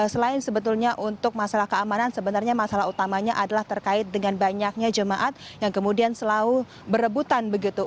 selain sebetulnya untuk masalah keamanan sebenarnya masalah utamanya adalah terkait dengan banyaknya jemaat yang kemudian selalu berebutan begitu